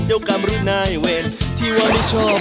อยากไกลอยากไกลไปแล้วไปที่ไกล